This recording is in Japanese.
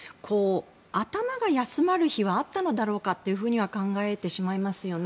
頭が休まる日はあったのだろうかと考えてしまいますよね。